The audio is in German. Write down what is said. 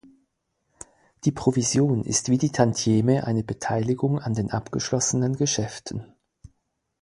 Die Provision ist wie die Tantieme eine Beteiligung an den abgeschlossenen Geschäften.